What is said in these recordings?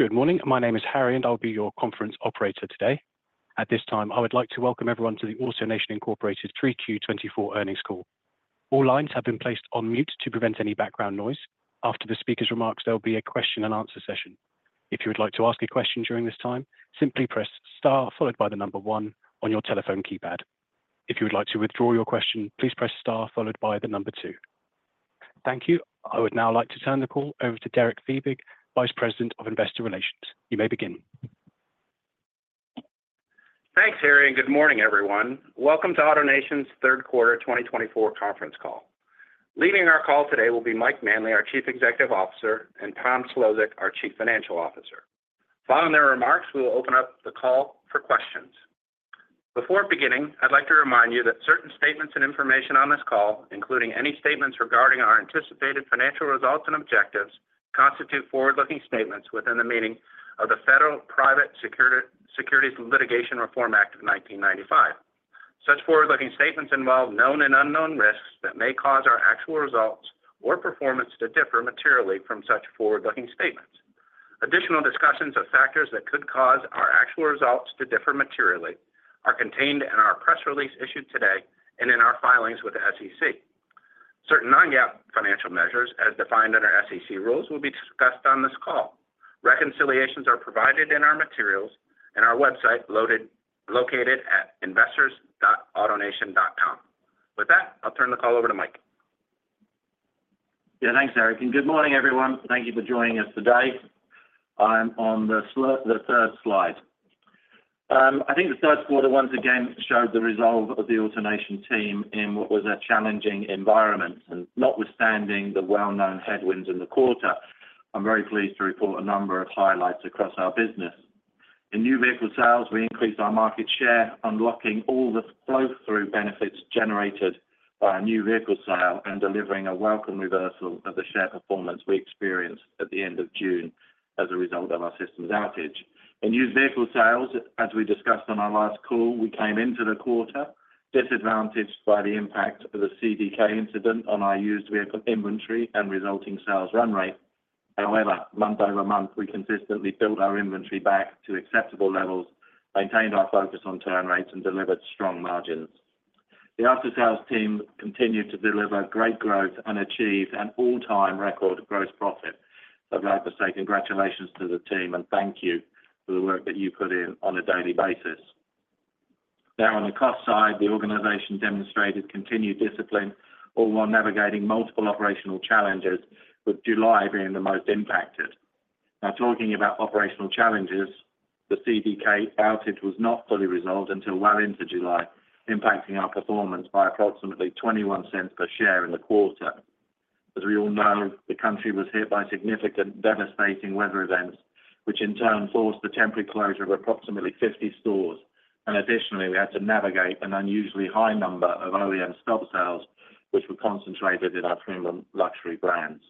Good morning. My name is Harry, and I'll be your conference operator today. At this time, I would like to welcome everyone to the AutoNation Incorporated 3Q 2024 earnings call. All lines have been placed on mute to prevent any background noise. After the speaker's remarks, there will be a question and answer session. If you would like to ask a question during this time, simply press star followed by the number one on your telephone keypad. If you would like to withdraw your question, please press star followed by the number two. Thank you. I would now like to turn the call over to Derek Fiebig, Vice President of Investor Relations. You may begin. Thanks, Harry, and good morning, everyone. Welcome to AutoNation's third quarter 2024 conference call. Leading our call today will be Mike Manley, our Chief Executive Officer, and Tom Szlosek, our Chief Financial Officer. Following their remarks, we will open up the call for questions. Before beginning, I'd like to remind you that certain statements and information on this call, including any statements regarding our anticipated financial results and objectives, constitute forward-looking statements within the meaning of the Private Securities Litigation Reform Act of 1995. Such forward-looking statements involve known and unknown risks that may cause our actual results or performance to differ materially from such forward-looking statements. Additional discussions of factors that could cause our actual results to differ materially are contained in our press release issued today and in our filings with the SEC. Certain non-GAAP financial measures, as defined under SEC rules, will be discussed on this call. Reconciliations are provided in our materials on our website located at investors.autonation.com. With that, I'll turn the call over to Mike. Yeah, thanks, Derek, and good morning, everyone. Thank you for joining us today. I'm on the slide-- the third slide. I think the third quarter, once again, showed the resolve of the AutoNation team in what was a challenging environment, and notwithstanding the well-known headwinds in the quarter, I'm very pleased to report a number of highlights across our business. In new vehicle sales, we increased our market share, unlocking all the flow-through benefits generated by our new vehicle sale and delivering a welcome reversal of the share performance we experienced at the end of June as a result of our systems outage. In used vehicle sales, as we discussed on our last call, we came into the quarter disadvantaged by the impact of the CDK incident on our used vehicle inventory and resulting sales run rate. However, month over month, we consistently built our inventory back to acceptable levels, maintained our focus on turn rates, and delivered strong margins. The aftersales team continued to deliver great growth and achieve an all-time record gross profit. I'd like to say congratulations to the team, and thank you for the work that you put in on a daily basis. Now, on the cost side, the organization demonstrated continued discipline, all while navigating multiple operational challenges, with July being the most impacted. Now, talking about operational challenges, the CDK outage was not fully resolved until well into July, impacting our performance by approximately $0.21 per share in the quarter. As we all know, the country was hit by significant devastating weather events, which in turn forced the temporary closure of approximately 50 stores. Additionally, we had to navigate an unusually high number of OEM stop sales, which were concentrated in our premium luxury brands.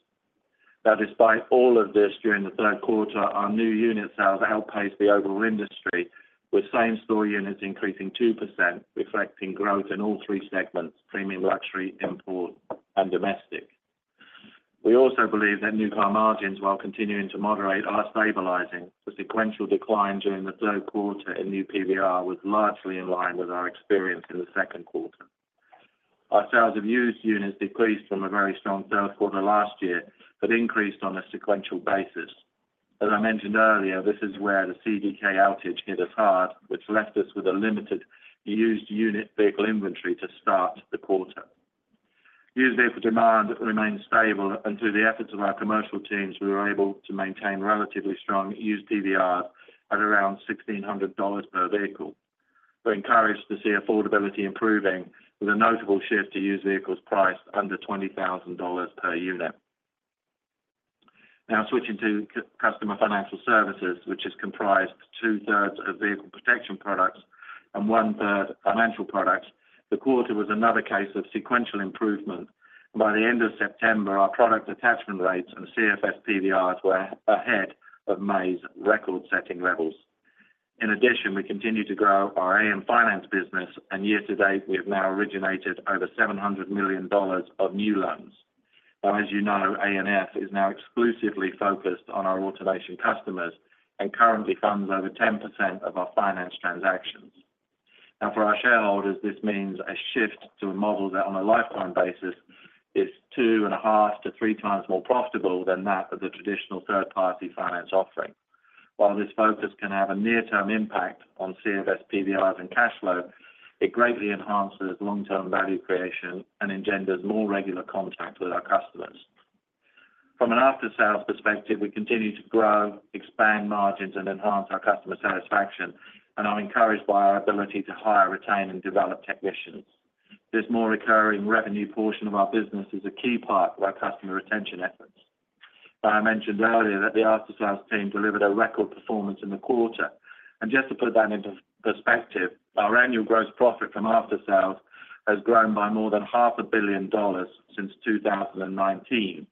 Now, despite all of this, during the third quarter, our new unit sales outpaced the overall industry, with same store units increasing 2%, reflecting growth in all three segments, Premium Luxury, Import, and Domestic. We also believe that new car margins, while continuing to moderate, are stabilizing. The sequential decline during the third quarter in new PVR was largely in line with our experience in the second quarter. Our sales of used units decreased from a very strong sales quarter last year, but increased on a sequential basis. As I mentioned earlier, this is where the CDK outage hit us hard, which left us with a limited used unit vehicle inventory to start the quarter. Used vehicle demand remained stable, and through the efforts of our commercial teams, we were able to maintain relatively strong used PVRs at around $1,600 per vehicle. We're encouraged to see affordability improving, with a notable shift to used vehicles priced under $20,000 per unit. Now, switching to Customer Financial Services, which is comprised two-thirds of vehicle protection products and one-third financial products, the quarter was another case of sequential improvement. By the end of September, our product attachment rates and CFS PVRs were ahead of May's record-setting levels. In addition, we continued to grow our AN Finance business, and year to date, we have now originated over $700 million of new loans. Now, as you know, ANF is now exclusively focused on our AutoNation customers and currently funds over 10% of our finance transactions. Now, for our shareholders, this means a shift to a model that, on a lifetime basis, is two and a half to three times more profitable than that of the traditional third-party finance offering. While this focus can have a near-term impact on CFS, PVRs, and cash flow, it greatly enhances long-term value creation and engenders more regular contact with our customers. From an aftersales perspective, we continue to grow, expand margins, and enhance our customer satisfaction, and are encouraged by our ability to hire, retain, and develop technicians. This more recurring revenue portion of our business is a key part of our customer retention efforts. I mentioned earlier that the aftersales team delivered a record performance in the quarter, and just to put that into perspective, our annual gross profit from aftersales has grown by more than $500 million since 2019.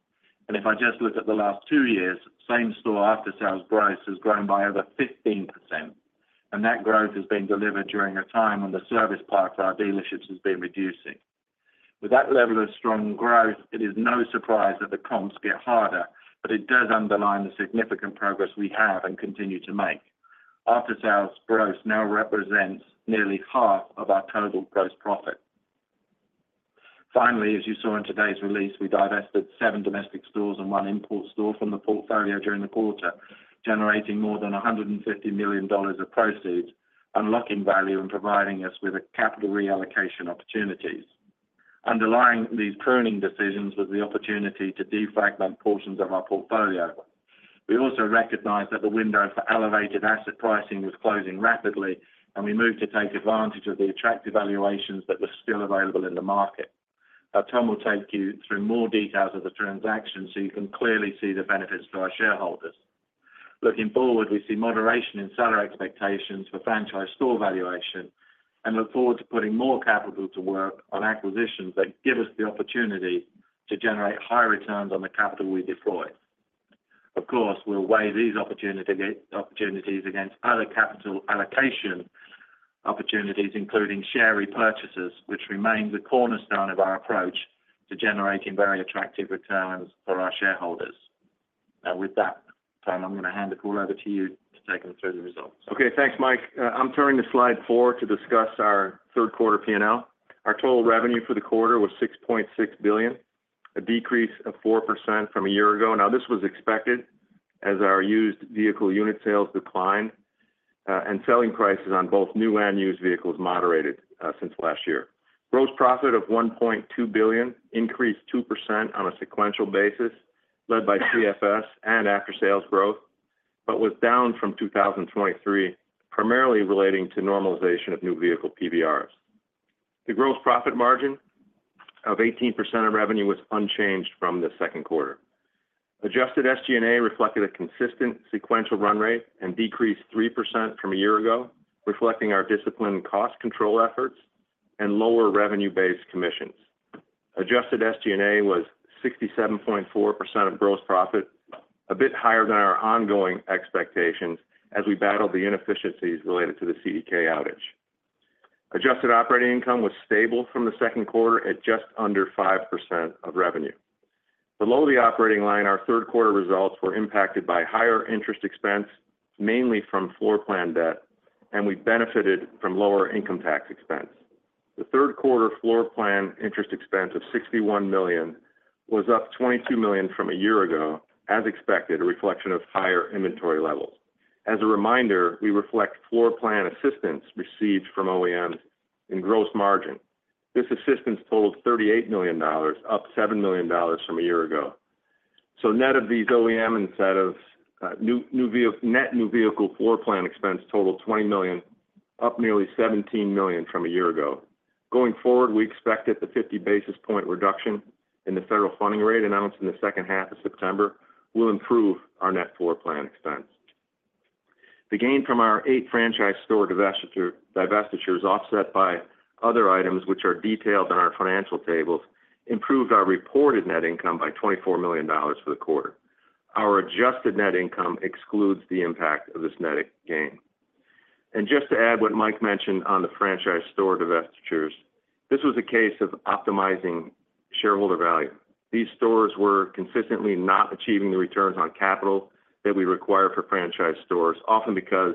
And if I just look at the last two years, same-store after-sales growth has grown by over 15%, and that growth has been delivered during a time when the service park of our dealerships has been reducing. With that level of strong growth, it is no surprise that the comps get harder, but it does underline the significant progress we have and continue to make. After-sales growth now represents nearly half of our total gross profit. Finally, as you saw in today's release, we divested seven domestic stores and one import store from the portfolio during the quarter, generating more than $150 million of proceeds, unlocking value and providing us with a capital reallocation opportunities. Underlying these pruning decisions was the opportunity to defragment portions of our portfolio. We also recognized that the window for elevated asset pricing was closing rapidly, and we moved to take advantage of the attractive valuations that were still available in the market. Now, Tom will take you through more details of the transaction so you can clearly see the benefits to our shareholders. Looking forward, we see moderation in seller expectations for franchise store valuation and look forward to putting more capital to work on acquisitions that give us the opportunity to generate higher returns on the capital we deploy. Of course, we'll weigh these opportunities against other capital allocation opportunities, including share repurchases, which remains a cornerstone of our approach to generating very attractive returns for our shareholders. And with that, Tom, I'm going to hand the call over to you to take them through the results. Okay, thanks, Mike. I'm turning to slide four to discuss our third quarter P&L. Our total revenue for the quarter was $6.6 billion, a decrease of 4% from a year ago. Now, this was expected as our used vehicle unit sales declined, and selling prices on both new and used vehicles moderated, since last year. Gross profit of $1.2 billion increased 2% on a sequential basis, led by CFS and after-sales growth, but was down from 2023, primarily relating to normalization of new vehicle PVRs. The gross profit margin of 18% of revenue was unchanged from the second quarter. Adjusted SG&A reflected a consistent sequential run rate and decreased 3% from a year ago, reflecting our disciplined cost control efforts and lower revenue-based commissions. Adjusted SG&A was 67.4% of gross profit, a bit higher than our ongoing expectations as we battled the inefficiencies related to the CDK outage. Adjusted operating income was stable from the second quarter at just under 5% of revenue. Below the operating line, our third quarter results were impacted by higher interest expense, mainly from floorplan debt, and we benefited from lower income tax expense. The third quarter floorplan interest expense of $61 million was up $22 million from a year ago, as expected, a reflection of higher inventory levels. As a reminder, we reflect floorplan assistance received from OEMs in gross margin. This assistance totaled $38 million, up $7 million from a year ago, so net of these OEM incentives, net new vehicle floorplan expense totaled $20 million, up nearly $17 million from a year ago. Going forward, we expect that the 50 basis points reduction in the federal funding rate announced in the second half of September will improve our net floorplan expense. The gain from our 8 franchise store divestiture, divestitures, offset by other items, which are detailed in our financial tables, improved our reported net income by $24 million for the quarter. Our adjusted net income excludes the impact of this net gain. And just to add what Mike mentioned on the franchise store divestitures, this was a case of optimizing shareholder value. These stores were consistently not achieving the returns on capital that we require for franchise stores, often because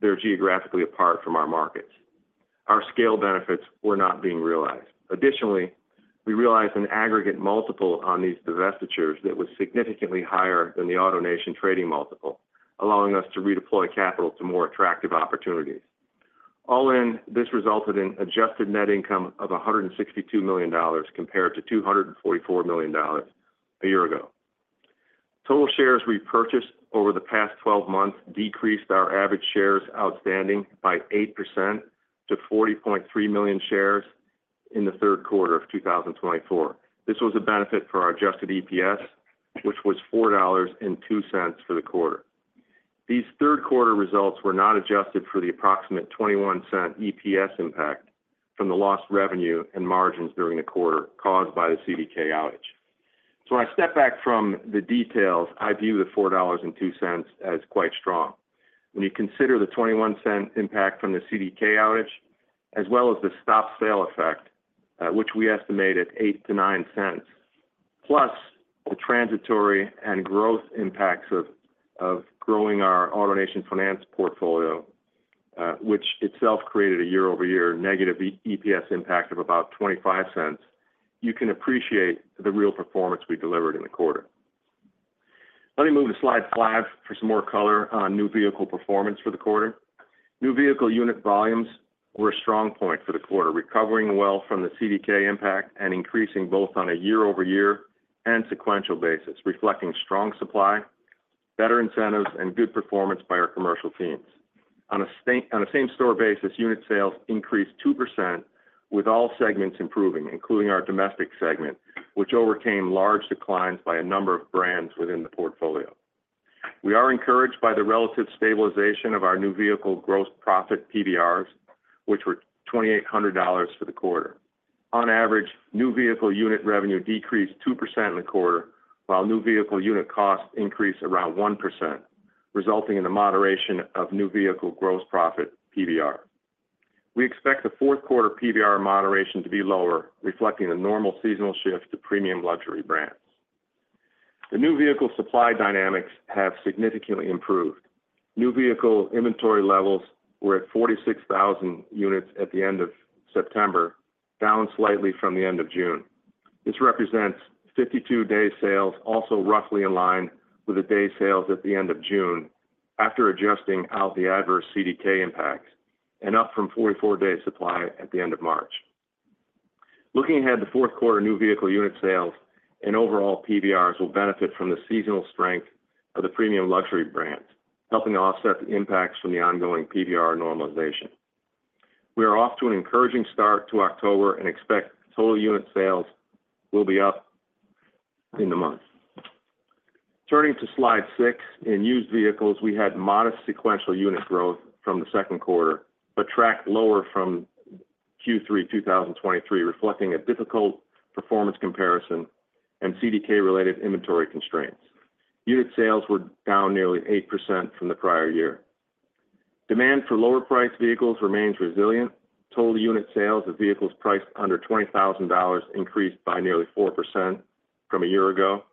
they're geographically apart from our markets. Our scale benefits were not being realized. Additionally, we realized an aggregate multiple on these divestitures that was significantly higher than the AutoNation trading multiple, allowing us to redeploy capital to more attractive opportunities. All in, this resulted in adjusted net income of $162 million compared to $244 million a year ago. Total shares repurchased over the past twelve months decreased our average shares outstanding by 8% to 40.3 million shares in the third quarter of 2024. This was a benefit for our adjusted EPS, which was $4.02 for the quarter. These third quarter results were not adjusted for the approximate 21-cent EPS impact from the lost revenue and margins during the quarter caused by the CDK outage. So when I step back from the details, I view the $4.02 as quite strong. When you consider the $0.21 impact from the CDK outage, as well as the stop-sale effect, which we estimate at $0.08-$0.09, plus the transitory and growth impacts of growing our AutoNation Finance portfolio, which itself created a year-over-year negative EPS impact of about $0.25, you can appreciate the real performance we delivered in the quarter. Let me move to slide five for some more color on new vehicle performance for the quarter. New vehicle unit volumes were a strong point for the quarter, recovering well from the CDK impact and increasing both on a year-over-year and sequential basis, reflecting strong supply, better incentives, and good performance by our commercial teams. On a same store basis, unit sales increased 2%, with all segments improving, including our domestic segment, which overcame large declines by a number of brands within the portfolio. We are encouraged by the relative stabilization of our new vehicle gross profit PVRs, which were $2,800 for the quarter. On average, new vehicle unit revenue decreased 2% in the quarter, while new vehicle unit costs increased around 1%, resulting in the moderation of new vehicle gross profit PVR. We expect the fourth quarter PVR moderation to be lower, reflecting a normal seasonal shift to premium luxury brands. The new vehicle supply dynamics have significantly improved. New vehicle inventory levels were at 46,000 units at the end of September, down slightly from the end of June. This represents 52-day sales, also roughly in line with the day sales at the end of June, after adjusting out the adverse CDK impacts, and up from 44 days supply at the end of March. Looking ahead, the fourth quarter new vehicle unit sales and overall PVRs will benefit from the seasonal strength of the premium luxury brands, helping to offset the impacts from the ongoing PVR normalization. We are off to an encouraging start to October and expect total unit sales will be up in the month. Turning to Slide 6. In used vehicles, we had modest sequential unit growth from the second quarter, but tracked lower from Q3 2023, reflecting a difficult performance comparison and CDK-related inventory constraints. Unit sales were down nearly 8% from the prior year. Demand for lower-priced vehicles remains resilient. Total unit sales of vehicles priced under $20,000 increased by nearly 4% from a year ago.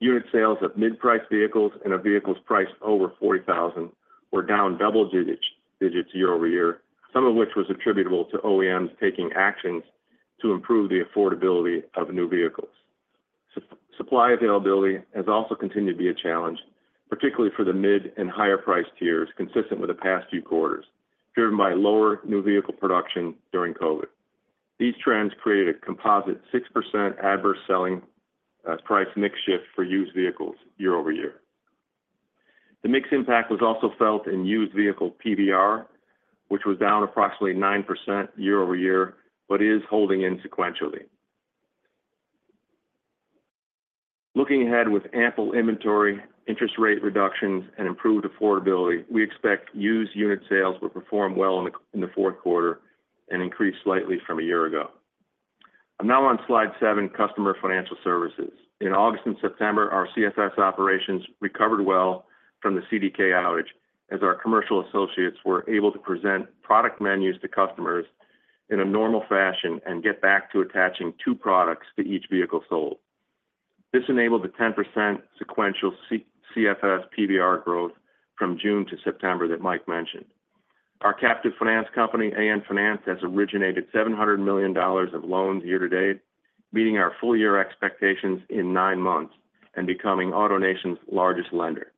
Unit sales of mid-priced vehicles and of vehicles priced over $40,000 were down double digits year-over-year, some of which was attributable to OEMs taking actions to improve the affordability of new vehicles. Supply availability has also continued to be a challenge, particularly for the mid and higher price tiers, consistent with the past few quarters, driven by lower new vehicle production during COVID. These trends created a composite 6% adverse selling price mix shift for used vehicles year-over-year. The mix impact was also felt in used vehicle PVR, which was down approximately 9% year-over-year, but is holding in sequentially. Looking ahead, with ample inventory, interest rate reductions, and improved affordability, we expect used unit sales will perform well in the fourth quarter and increase slightly from a year ago. I'm now on slide seven, Customer Financial Services. In August and September, our CFS operations recovered well from the CDK outage, as our commercial associates were able to present product menus to customers in a normal fashion and get back to attaching two products to each vehicle sold. This enabled a 10% sequential CFS PVR growth from June to September that Mike mentioned. Our captive finance company, AN Finance, has originated $700 million of loans year to date, meeting our full year expectations in nine months and becoming AutoNation's largest lender.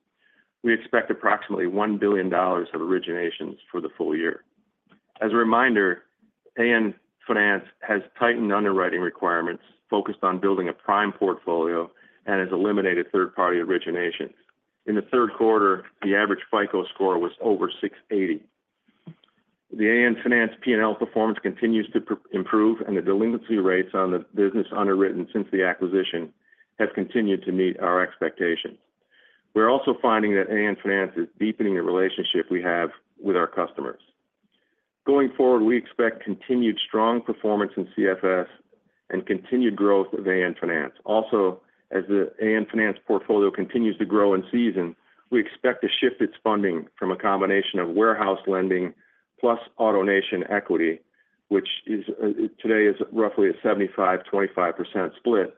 We expect approximately $1 billion of originations for the full year. As a reminder, AN Finance has tightened underwriting requirements, focused on building a prime portfolio and has eliminated third-party originations. In the third quarter, the average FICO score was over 680. The AN Finance P&L performance continues to improve, and the delinquency rates on the business underwritten since the acquisition has continued to meet our expectations. We're also finding that AN Finance is deepening the relationship we have with our customers. Going forward, we expect continued strong performance in CFS and continued growth of AN Finance. Also, as the AN Finance portfolio continues to grow in size, we expect to shift its funding from a combination of warehouse lending plus AutoNation equity, which is, today is roughly a 75%/25% split,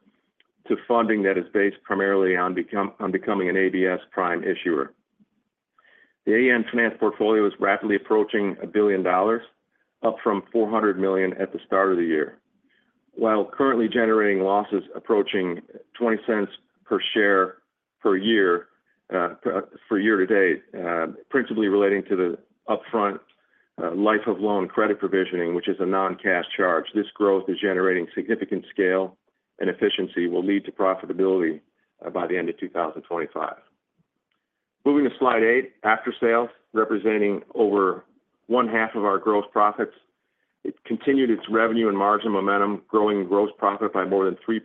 to funding that is based primarily on becoming an ABS prime issuer. The AN Finance portfolio is rapidly approaching $1 billion, up from $400 million at the start of the year, while currently generating losses approaching $0.20 per share per year, for year to date, principally relating to the upfront, life of loan credit provisioning, which is a non-cash charge. This growth is generating significant scale and efficiency will lead to profitability by the end of 2025. Moving to Slide 8, aftersales, representing over one-half of our gross profits. It continued its revenue and margin momentum, growing gross profit by more than 3%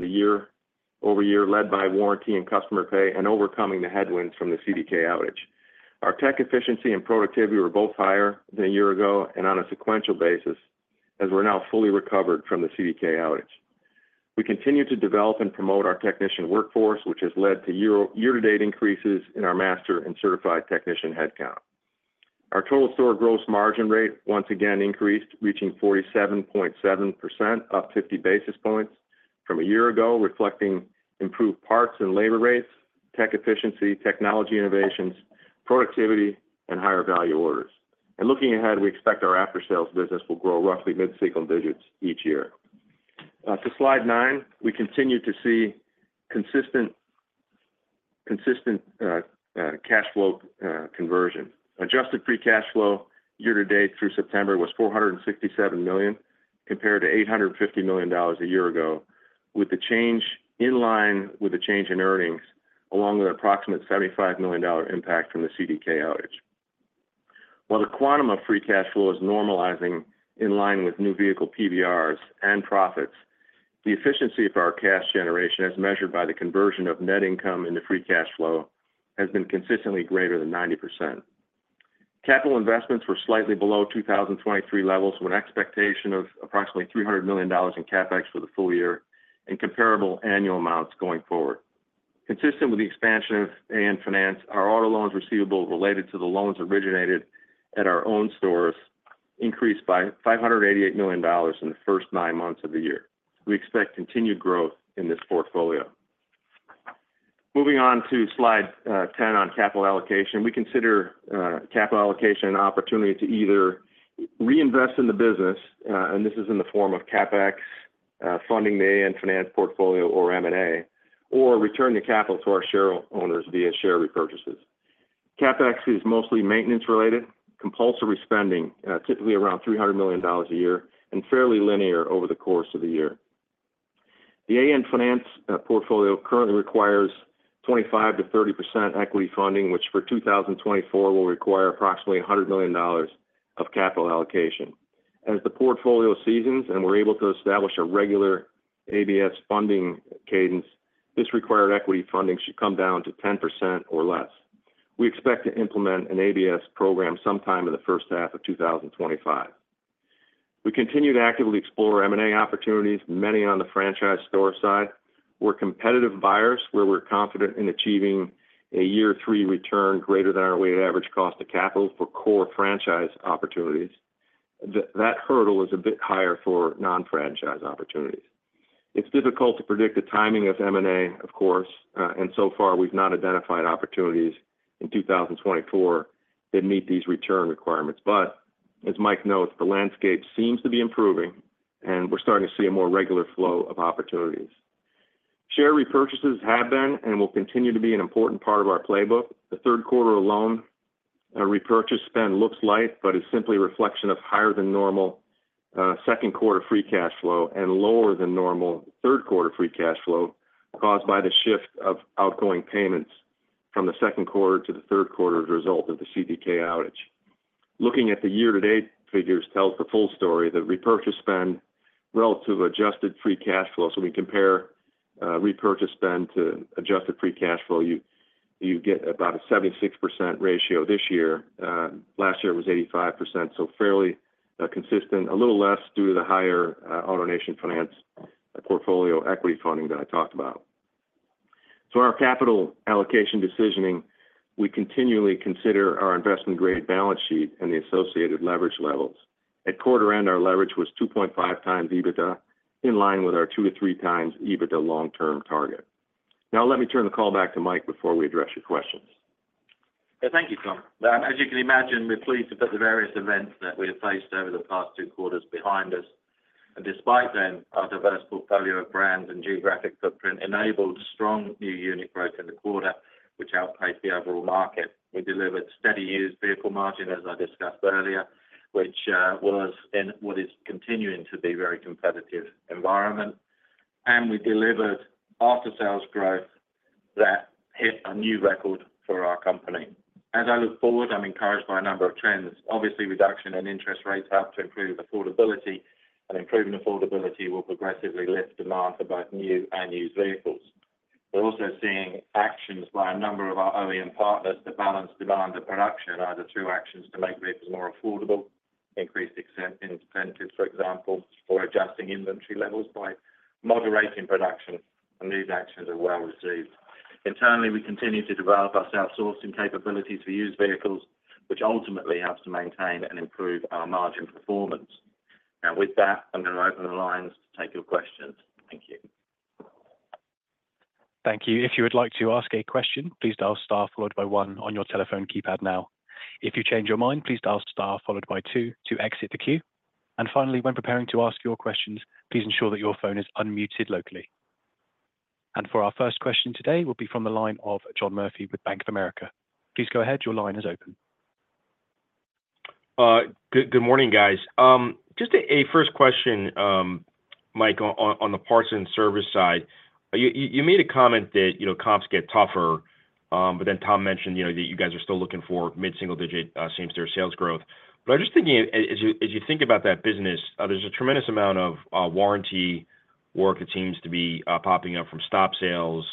year-over-year, led by warranty and customer pay and overcoming the headwinds from the CDK outage. Our tech efficiency and productivity were both higher than a year ago and on a sequential basis, as we're now fully recovered from the CDK outage. We continue to develop and promote our technician workforce, which has led to year-to-date increases in our master and certified technician headcount. Our total store gross margin rate once again increased, reaching 47.7%, up 50 basis points from a year ago, reflecting improved parts and labor rates, tech efficiency, technology innovations, productivity, and higher value orders. And looking ahead, we expect our aftersales business will grow roughly mid-single digits each year. To slide 9, we continue to see consistent cash flow conversion. Adjusted free cash flow year to date through September was $467 million, compared to $850 million a year ago, with the change in line with the change in earnings, along with approximate $75 million dollar impact from the CDK outage. While the quantum of free cash flow is normalizing in line with new vehicle PVRs and profits, the efficiency of our cash generation, as measured by the conversion of net income into free cash flow, has been consistently greater than 90%. Capital investments were slightly below 2023 levels, with an expectation of approximately $300 million in CapEx for the full year and comparable annual amounts going forward. Consistent with the expansion of AN Finance, our auto loans receivable related to the loans originated at our own stores increased by $588 million in the first nine months of the year. We expect continued growth in this portfolio. Moving on to slide ten on capital allocation. We consider capital allocation an opportunity to either re-invest in the business, and this is in the form of CapEx, funding the AN Finance portfolio or M&A, or return the capital to our share owners via share repurchases. CapEx is mostly maintenance-related, compulsory spending, typically around $300 million a year, and fairly linear over the course of the year. The AN Finance portfolio currently requires 25%-30% equity funding, which for 2024 will require approximately $100 million of capital allocation. As the portfolio seasons and we're able to establish a regular ABS funding cadence, this required equity funding should come down to 10% or less. We expect to implement an ABS program sometime in the first half of 2025. We continue to actively explore M&A opportunities, many on the franchise store side. We're competitive buyers, where we're confident in achieving a year three return greater than our weighted average cost of capital for core franchise opportunities. That hurdle is a bit higher for non-franchise opportunities. It's difficult to predict the timing of M&A, of course, and so far, we've not identified opportunities in 2024 that meet these return requirements. But as Mike notes, the landscape seems to be improving, and we're starting to see a more regular flow of opportunities. Share repurchases have been, and will continue to be an important part of our playbook. The third quarter alone, a repurchase spend looks light, but is simply a reflection of higher than normal, second quarter free cash flow and lower than normal third quarter free cash flow, caused by the shift of outgoing payments from the second quarter to the third quarter as a result of the CDK outage. Looking at the year-to-date figures tells the full story. The repurchase spend relative adjusted free cash flow, so we compare, repurchase spend to adjusted free cash flow, you get about a 76% ratio this year. Last year it was 85%, so fairly, consistent, a little less due to the higher, AutoNation Finance portfolio equity funding that I talked about. So our capital allocation decisioning, we continually consider our investment-grade balance sheet and the associated leverage levels. At quarter-end, our leverage was 2.5 times EBITDA, in line with our 2-3 times EBITDA long-term target. Now, let me turn the call back to Mike before we address your questions. Thank you, Tom. Now, as you can imagine, we're pleased to put the various events that we have faced over the past two quarters behind us. And despite them, our diverse portfolio of brands and geographic footprint enabled strong new unit growth in the quarter, which outpaced the overall market. We delivered steady used vehicle margin, as I discussed earlier, which was in what is continuing to be very competitive environment. And we delivered after-sales growth that hit a new record for our company. As I look forward, I'm encouraged by a number of trends. Obviously, reduction in interest rates help to improve affordability, and improving affordability will progressively lift demand for both new and used vehicles. We're also seeing actions by a number of our OEM partners to balance demand and production, either through actions to make vehicles more affordable, increased incentives, for example, or adjusting inventory levels by moderating production, and these actions are well received. Internally, we continue to develop our outsourcing capabilities for used vehicles, which ultimately helps to maintain and improve our margin performance. Now, with that, I'm going to open the lines to take your questions. Thank you. Thank you. If you would like to ask a question, please dial star followed by one on your telephone keypad now. If you change your mind, please dial star followed by two to exit the queue. And finally, when preparing to ask your questions, please ensure that your phone is unmuted locally. And for our first question today will be from the line of John Murphy with Bank of America. Please go ahead. Your line is open. Good morning, guys. Just a first question, Mike, on the Parts and Service side. You made a comment that, you know, comps get tougher, but then Tom mentioned, you know, that you guys are still looking for mid-single digit same-store sales growth. But I'm just thinking, as you think about that business, there's a tremendous amount of warranty work that seems to be popping up from stop sales,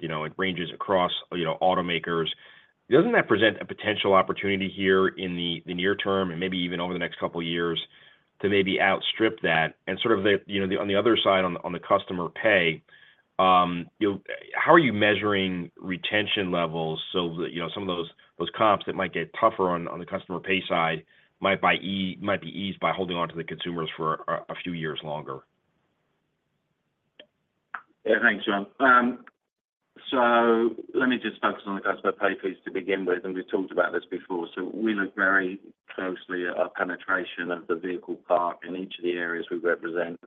you know, it ranges across automakers. Doesn't that present a potential opportunity here in the near term and maybe even over the next couple of years, to maybe outstrip that? Sort of, you know, on the other side, on the customer pay, you know, how are you measuring retention levels so that, you know, some of those comps that might get tougher on the customer pay side might be eased by holding onto the consumers for a few years longer? Yeah. Thanks, John, so let me just focus on the customer pay piece to begin with, and we've talked about this before, so we look very closely at our penetration of the vehicle park in each of the areas we represent,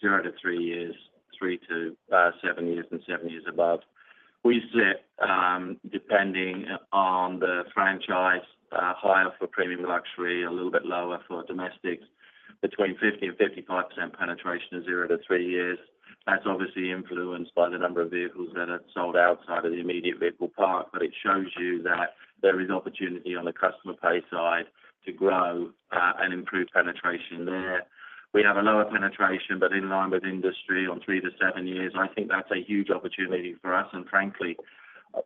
zero to three years, three to seven years, and seven years above. We sit, depending on the franchise, higher for premium luxury, a little bit lower for domestics, between 50% and 55% penetration of zero to three years. That's obviously influenced by the number of vehicles that are sold outside of the immediate vehicle park, but it shows you that there is opportunity on the customer pay side to grow and improve penetration there. We have a lower penetration, but in line with industry on three to seven years. I think that's a huge opportunity for us. And frankly,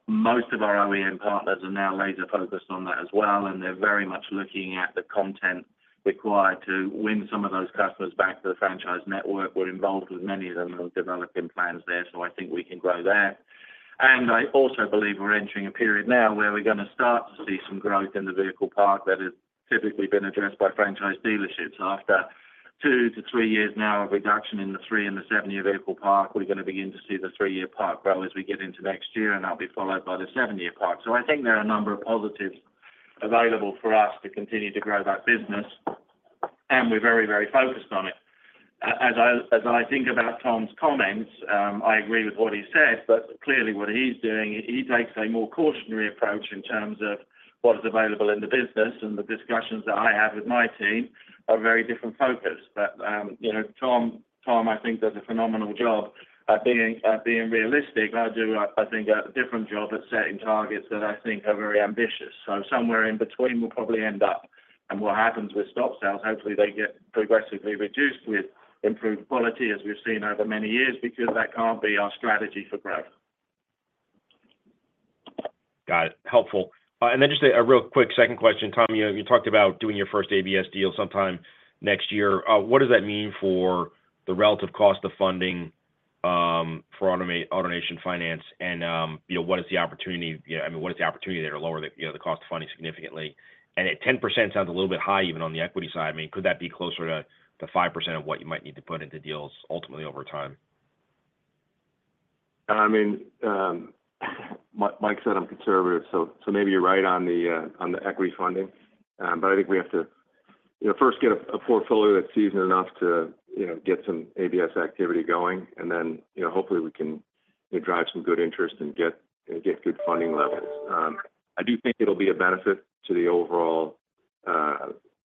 most of our OEM partners are now laser-focused on that as well, and they're very much looking at the content required to win some of those customers back to the franchise network. We're involved with many of them who are developing plans there, so I think we can grow there. And I also believe we're entering a period now where we're gonna start to see some growth in the vehicle park that has typically been addressed by franchise dealerships. After two to three years now of reduction in the three- and the seven-year vehicle park, we're gonna begin to see the three-year park grow as we get into next year, and that'll be followed by the seven-year park. So I think there are a number of positives available for us to continue to grow that business, and we're very, very focused on it. As I think about Tom's comments, I agree with what he said, but clearly what he's doing, he takes a more cautionary approach in terms of what is available in the business, and the discussions that I have with my team are very different focus. But you know, Tom, I think does a phenomenal job at being realistic. I do, I think a different job at setting targets that I think are very ambitious. So somewhere in between, we'll probably end up. And what happens with stop sales, hopefully they get progressively reduced with improved quality, as we've seen over many years, because that can't be our strategy for growth. Got it. Helpful. And then just a real quick second question. Tom, you talked about doing your first ABS deal sometime next year. What does that mean for the relative cost of funding for AutoNation Finance? And, you know, what is the opportunity. Yeah, I mean, what is the opportunity there to lower the, you know, the cost of funding significantly? And at 10% sounds a little bit high, even on the equity side. I mean, could that be closer to 5% of what you might need to put into deals ultimately over time? I mean, Mike said I'm conservative, so maybe you're right on the equity funding. But I think we have to, you know, first get a portfolio that's seasoned enough to, you know, get some ABS activity going, and then, you know, hopefully we can drive some good interest and get good funding levels. I do think it'll be a benefit to the overall,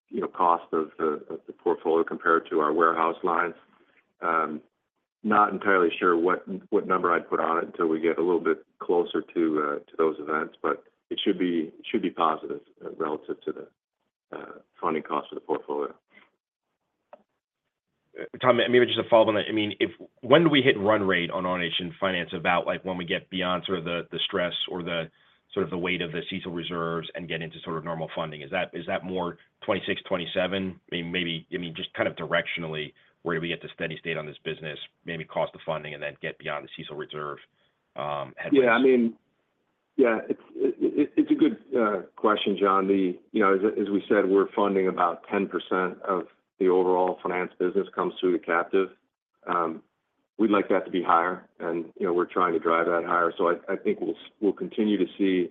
you know, cost of the portfolio compared to our warehouse lines. Not entirely sure what number I'd put on it until we get a little bit closer to those events, but it should be positive relative to the funding cost of the portfolio. Tom, maybe just a follow on that. I mean, if - when do we hit run rate on AutoNation Finance about, like, when we get beyond sort of the stress or sort of the weight of the CECL reserves and get into sort of normal funding? Is that more 2026, 2027? I mean, maybe just kind of directionally, where do we get to steady state on this business, maybe cost of funding, and then get beyond the CECL reserve headwinds? Yeah, I mean. Yeah, it's a good question, John. You know, as we said, we're funding about 10% of the overall finance business comes through the captive. We'd like that to be higher, and, you know, we're trying to drive that higher. So I think we'll continue to see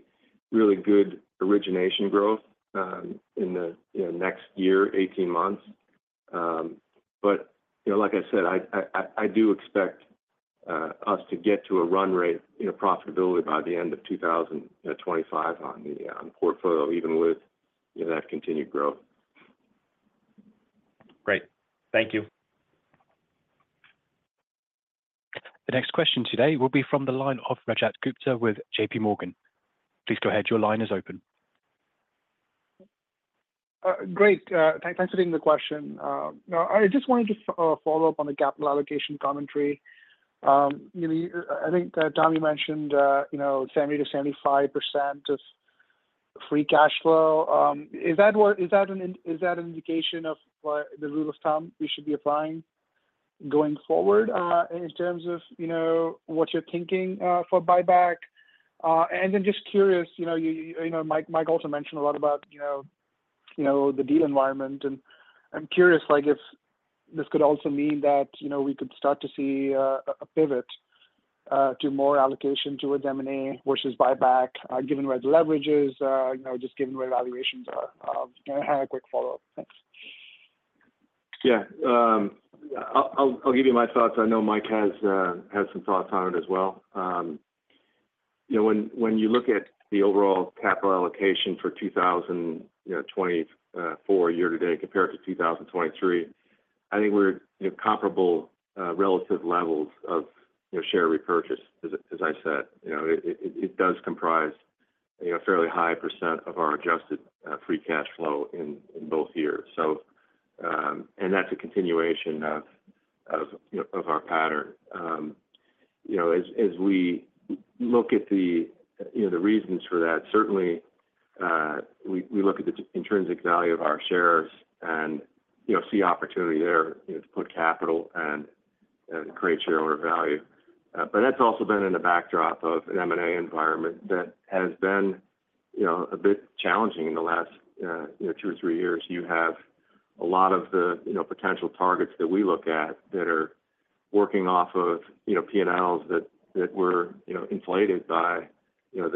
really good origination growth in the next year, 18 months. But, you know, like I said, I do expect us to get to a run rate profitability by the end of 2025 on the portfolio, even with that continued growth. Great. Thank you. The next question today will be from the line of Rajat Gupta with JPMorgan. Please go ahead. Your line is open. Great. Thanks for taking the question. I just wanted to follow up on the capital allocation commentary. You know, I think, Tom, you mentioned, you know, 70%-75% of free cash flow. Is that an indication of what the rule of thumb we should be applying going forward, in terms of, you know, what you're thinking, for buyback? And then just curious, you know, Mike also mentioned a lot about, you know, the deal environment, and I'm curious, like, if this could also mean that, you know, we could start to see, a pivot, to more allocation toward M&A versus buyback, given where the leverage is, you know, just given where valuations are. And I had a quick follow-up. Thanks. Yeah. I'll give you my thoughts. I know Mike has some thoughts on it as well. You know, when you look at the overall capital allocation for 2024 year to date, compared to 2023, I think we're in comparable relative levels of share repurchase, as I said. You know, it does comprise a fairly high percent of our adjusted free cash flow in both years. So, and that's a continuation of our pattern. You know, as we look at the reasons for that, certainly we look at the intrinsic value of our shares and see opportunity there to put capital and create shareholder value. But that's also been in the backdrop of an M&A environment that has been, you know, a bit challenging in the last, you know, two or three years. You have a lot of the, you know, potential targets that we look at that are working off of, you know, P&Ls that were, you know, inflated by, you know,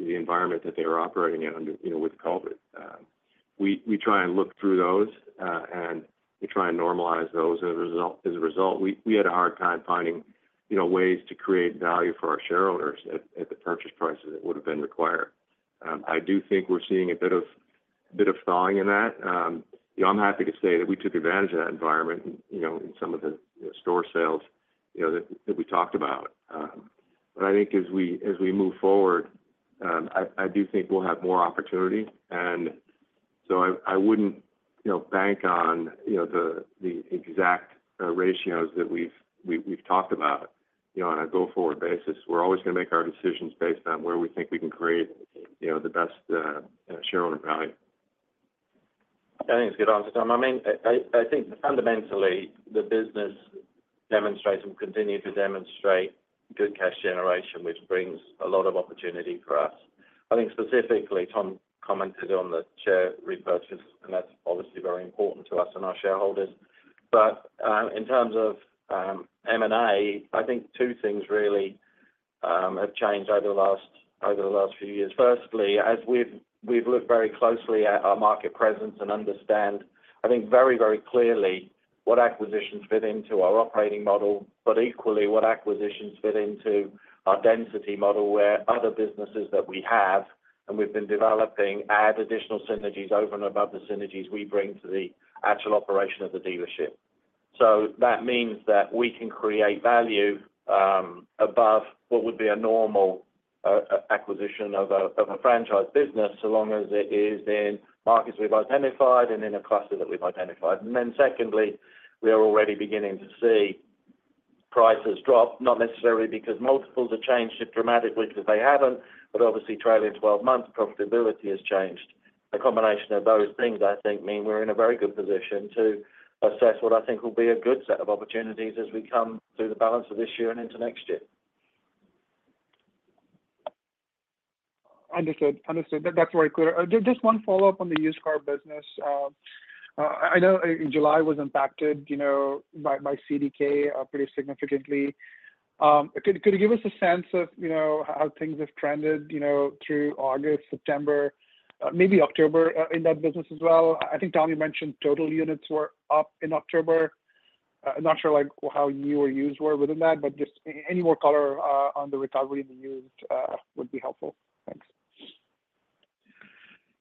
the environment that they were operating in under, you know, with COVID. We try and look through those, and we try and normalize those. As a result, we had a hard time finding, you know, ways to create value for our shareholders at the purchase prices that would have been required. I do think we're seeing a bit of thawing in that. You know, I'm happy to say that we took advantage of that environment, you know, in some of the store sales, you know, that we talked about, but I think as we move forward, I do think we'll have more opportunity, and so I wouldn't, you know, bank on, you know, the exact ratios that we've talked about, you know, on a go-forward basis. We're always gonna make our decisions based on where we think we can create, you know, the best shareholder value. I think it's a good answer, Tom. I mean, I think fundamentally, the business demonstrates and continue to demonstrate good cash generation, which brings a lot of opportunity for us. I think specifically, Tom commented on the share repurchase, and that's obviously very important to us and our shareholders. But in terms of M&A, I think two things really have changed over the last few years. Firstly, as we've looked very closely at our market presence and understand, I think, very, very clearly what acquisitions fit into our operating model, but equally what acquisitions fit into our density model, where other businesses that we have and we've been developing add additional synergies over and above the synergies we bring to the actual operation of the dealership. So that means that we can create value, above what would be a normal acquisition of a franchise business, so long as it is in markets we've identified and in a cluster that we've identified. And then secondly, we are already beginning to see prices drop, not necessarily because multiples have changed dramatically because they haven't, but obviously trailing twelve months, profitability has changed. A combination of those things, I think, mean we're in a very good position to assess what I think will be a good set of opportunities as we come through the balance of this year and into next year. Understood. Understood. That's very clear. Just one follow-up on the used car business. I know in July was impacted, you know, by CDK pretty significantly. Could you give us a sense of, you know, how things have trended, you know, through August, September, maybe October in that business as well? I think Tommy mentioned total units were up in October. I'm not sure, like, how new or used were within that, but just any more color on the recovery in the used would be helpful.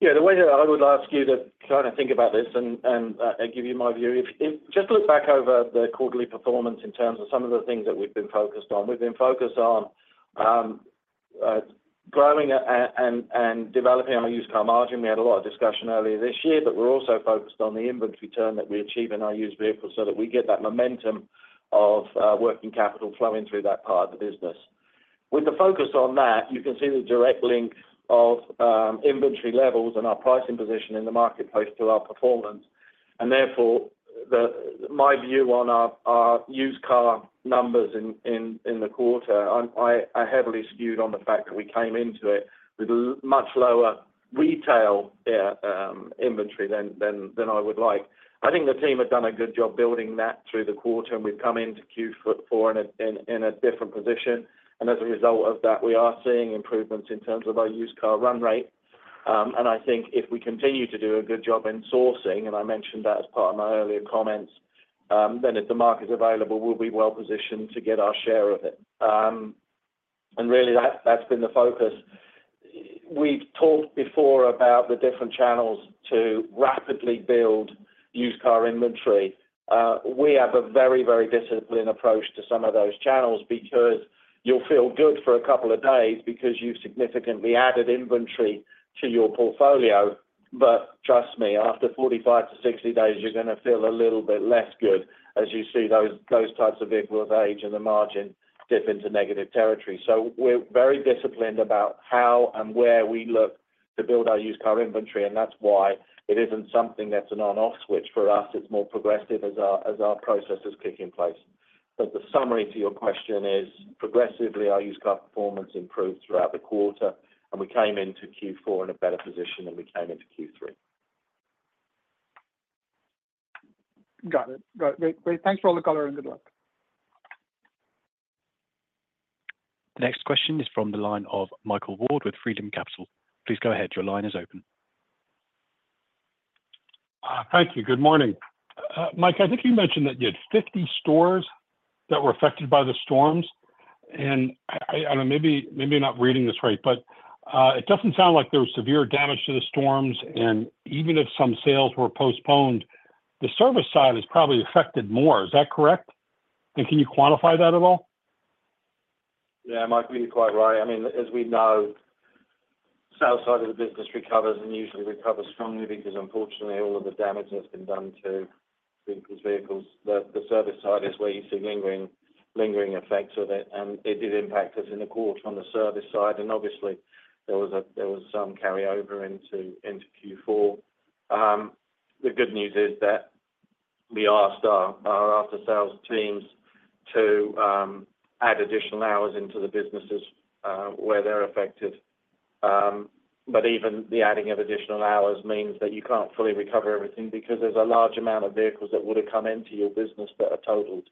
Thanks. Yeah, the way that I would ask you to try to think about this and I give you my view. If just look back over the quarterly performance in terms of some of the things that we've been focused on. We've been focused on growing and developing on our used car margin. We had a lot of discussion earlier this year, but we're also focused on the inventory turn that we achieve in our used vehicles so that we get that momentum of working capital flowing through that part of the business. With the focus on that, you can see the direct link of inventory levels and our pricing position in the marketplace to our performance. And therefore, my view on our used car numbers in the quarter. I'm heavily skewed on the fact that we came into it with a much lower retail inventory than I would like. I think the team have done a good job building that through the quarter, and we've come into Q4 in a different position. And as a result of that, we are seeing improvements in terms of our used car run rate. And I think if we continue to do a good job in sourcing, and I mentioned that as part of my earlier comments, then if the market is available, we'll be well positioned to get our share of it. And really, that's been the focus. We've talked before about the different channels to rapidly build used car inventory. We have a very, very disciplined approach to some of those channels because you'll feel good for a couple of days because you significantly added inventory to your portfolio. But trust me, after forty-five to sixty days, you're gonna feel a little bit less good as you see those types of vehicles age and the margin dip into negative territory. So we're very disciplined about how and where we look to build our used car inventory, and that's why it isn't something that's an on, off switch. For us, it's more progressive as our processes kick in place. But the summary to your question is, progressively, our used car performance improved throughout the quarter, and we came into Q4 in a better position than we came into Q3. Got it. Got it. Great. Thanks for all the color and good luck. The next question is from the line of Michael Ward with Freedom Capital Markets. Please go ahead. Your line is open. Thank you. Good morning. Mike, I think you mentioned that you had 50 stores that were affected by the storms, and I maybe I'm not reading this right, but it doesn't sound like there was severe damage from the storms, and even if some sales were postponed, the service side is probably affected more. Is that correct? And can you quantify that at all? Yeah, Michael, you're quite right. I mean, as we know, service side of the business recovers and usually recovers strongly because unfortunately, all of the damage that's been done to the vehicles, the service side is where you see lingering effects of it, and it did impact us in the quarter on the service side. And obviously, there was some carryover into Q4. The good news is that we asked our after-sales teams to add additional hours into the businesses where they're affected. But even the adding of additional hours means that you can't fully recover everything because there's a large amount of vehicles that would have come into your business that are totaled.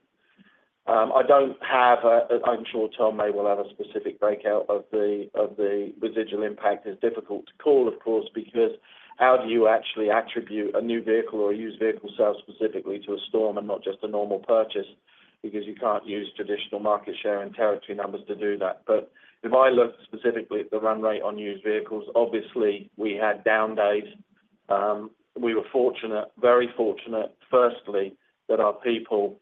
I don't have a... I'm sure Tom may well have a specific breakout of the residual impact. It's difficult to call, of course, because how do you actually attribute a new vehicle or a used vehicle sale specifically to a storm and not just a normal purchase? Because you can't use traditional market share and territory numbers to do that, but if I look specifically at the run rate on used vehicles, obviously, we had down days. We were fortunate, very fortunate, firstly, that our people,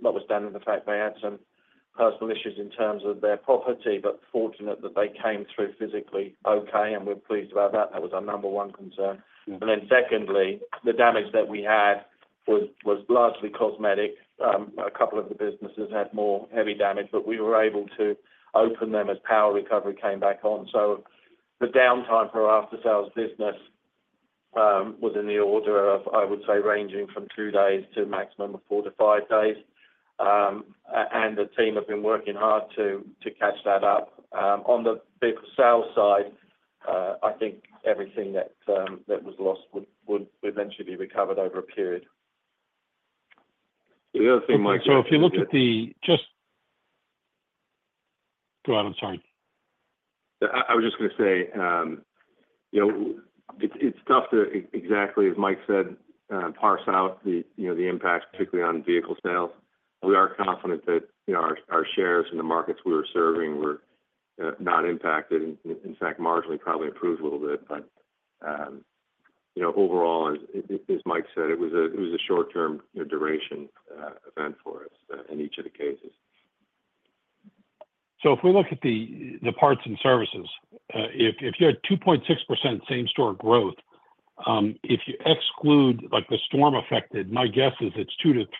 notwithstanding the fact they had some personal issues in terms of their property, but fortunate that they came through physically okay, and we're pleased about that. That was our number one concern, and then secondly, the damage that we had was largely cosmetic. A couple of the businesses had more heavy damage, but we were able to open them as power recovery came back on. So the downtime for our aftersales business was in the order of, I would say, ranging from two days to a maximum of four to five days. And the team have been working hard to catch that up. On the vehicle sales side, I think everything that that was lost would eventually be recovered over a period. The other thing, Mike- So if you look at the... Just go on. I'm sorry. I was just gonna say, you know, it's tough to exactly, as Mike said, parse out the, you know, the impact, particularly on vehicle sales. We are confident that, you know, our shares in the markets we were serving were not impacted, in fact, marginally, probably improved a little bit. But, you know, overall, as Mike said, it was a short-term, you know, duration event for us, in each of the cases. So if we look at the parts and services, if you had 2.6% same store growth, if you exclude, like, the storm affected, my guess is it's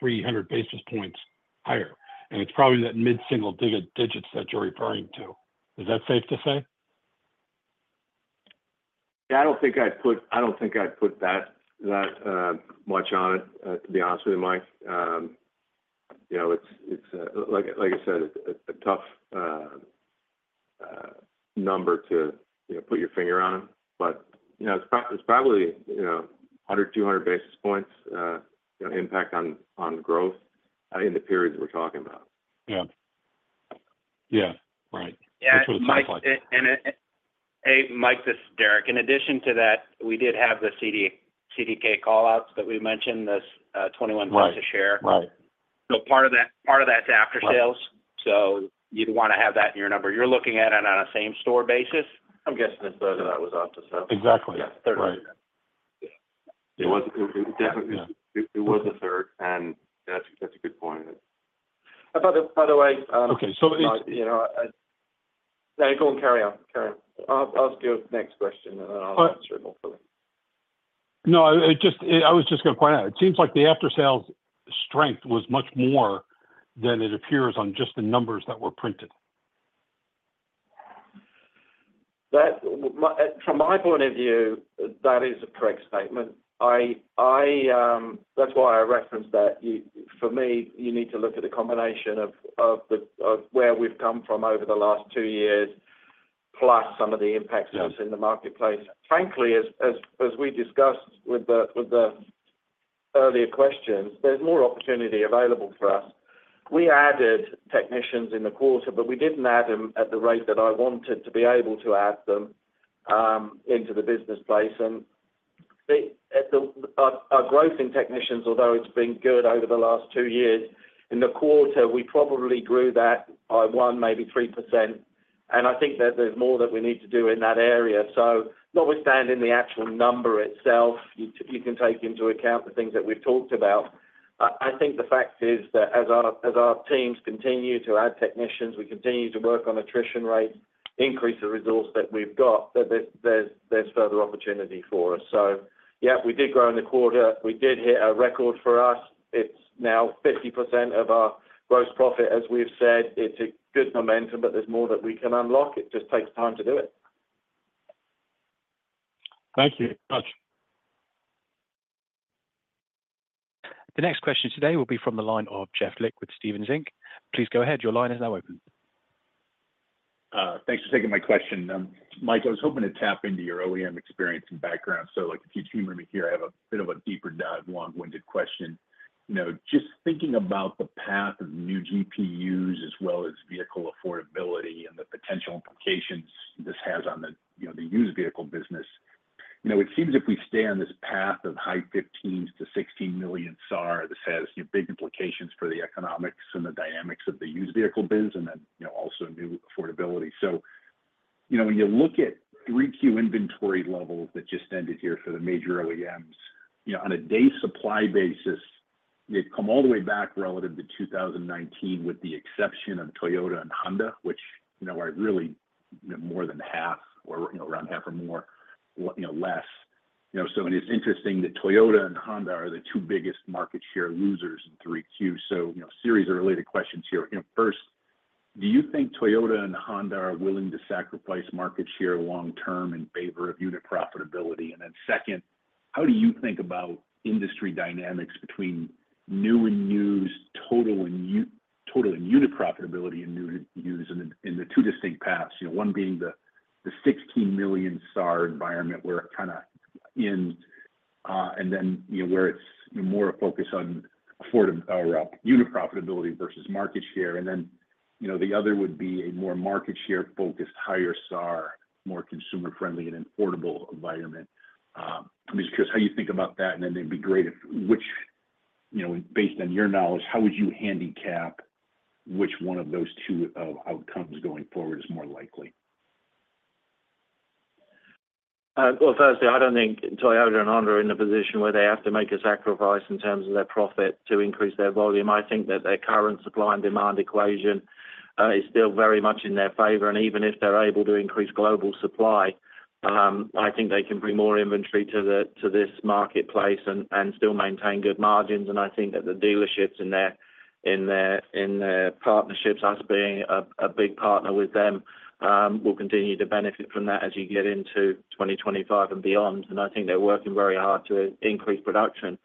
200-300 basis points higher, and it's probably that mid-single digits that you're referring to. Is that safe to say? I don't think I'd put that much on it, to be honest with you, Mike. You know, it's like I said, it's a tough number to, you know, put your finger on. But, you know, it's probably, you know, a hundred, two hundred basis points, you know, impact on growth in the periods we're talking about. Yeah. Yeah, right. Yeah, Mike- That's what it sounds like. Hey, Mike, this is Derek. In addition to that, we did have the CDK call-outs that we mentioned, this $0.21 a share. Right. Right. Part of that, part of that is aftersales. Right. You'd want to have that in your number. You're looking at it on a same-store basis? I'm guessing that third of that was aftersales. Exactly. Yeah. Right. It definitely- Yeah. It was a third, and that's, that's a good point. I thought, by the way. Okay, so it- You know, No, go on, carry on. Carry on. I'll ask your next question, and then I'll answer it hopefully. No, I just... I was just going to point out, it seems like the aftersales strength was much more than it appears on just the numbers that were printed. That, from my point of view, that is a correct statement. I, that's why I referenced that. For me, you need to look at the combination of where we've come from over the last two years, plus some of the impacts- Yeah. That's in the marketplace. Frankly, as we discussed with the earlier questions, there's more opportunity available for us. We added technicians in the quarter, but we didn't add them at the rate that I wanted to be able to add them into the business place. And our growth in technicians, although it's been good over the last two years, in the quarter, we probably grew that by 1%, maybe 3%, and I think that there's more that we need to do in that area. So notwithstanding the actual number itself, you can take into account the things that we've talked about. I think the fact is that as our teams continue to add technicians, we continue to work on attrition rates, increase the resource that we've got, that there's further opportunity for us. So yeah, we did grow in the quarter. We did hit a record for us. It's now 50% of our gross profit, as we've said. It's a good momentum, but there's more that we can unlock. It just takes time to do it. Thank you much. The next question today will be from the line of Jeff Lick with Stephens Inc. Please go ahead. Your line is now open. Thanks for taking my question. Mike, I was hoping to tap into your OEM experience and background. So like, if you humor me here, I have a bit of a deeper dive, long-winded question. You know, just thinking about the path of new GPUs as well as vehicle affordability and the potential implications this has on the, you know, the used vehicle business. You know, it seems if we stay on this path of high 15s to 16 million SAAR, this has big implications for the economics and the dynamics of the used vehicle biz and then, you know, also new affordability. So, you know, when you look at 3Q inventory levels that just ended here for the major OEMs, you know, on a day supply basis, they've come all the way back relative to 2019, with the exception of Toyota and Honda, which, you know, are really more than half or, you know, around half or more, you know, less. You know, so and it's interesting that Toyota and Honda are the two biggest market share losers in 3Q. So, you know, a series of related questions here. You know, first, do you think Toyota and Honda are willing to sacrifice market share long term in favor of unit profitability? And then second, how do you think about industry dynamics between new and used, total and unit profitability in new and used in the two distinct paths? You know, one being the 16 million SAAR environment, where it kind of ends, and then, you know, where it's more a focus on affordability or, well, unit profitability versus market share, and then, you know, the other would be a more market share focused, higher SAAR, more consumer friendly and affordable environment. I'm just curious how you think about that, and then it'd be great if, you know, based on your knowledge, how would you handicap which one of those two outcomes going forward is more likely? Well, firstly, I don't think Toyota and Honda are in a position where they have to make a sacrifice in terms of their profit to increase their volume. I think that their current supply and demand equation is still very much in their favor, and even if they're able to increase global supply, I think they can bring more inventory to this marketplace and still maintain good margins. I think that the dealerships in their partnerships, us being a big partner with them, will continue to benefit from that as you get into 2025 and beyond. I think they're working very hard to increase production.